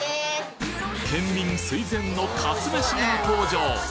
県民垂涎のかつめしが登場！